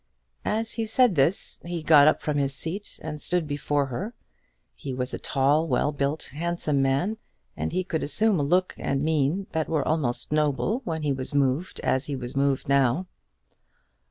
As he said this he got up from his seat and stood before her. He was a tall, well built, handsome man, and he could assume a look and mien that were almost noble when he was moved as he was moved now.